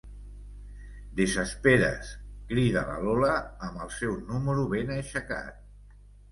Desesperes, crida la Lola amb el seu número ben aixecat.